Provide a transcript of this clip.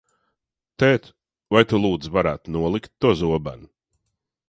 Tēt, vai tu, lūdzu, varētu nolikt to zobenu?